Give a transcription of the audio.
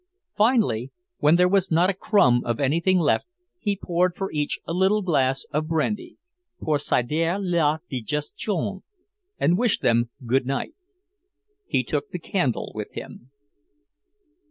Finally, when there was not a crumb of anything left, he poured for each a little glass of brandy, "pour cider la digestion," and wished them good night. He took the candle with him.